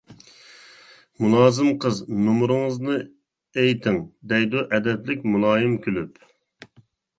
مۇلازىم قىز:-نومۇرىڭىزنى ئېيتىڭ دەيدۇ ئەدەپلىك مۇلايىم كۈلۈپ.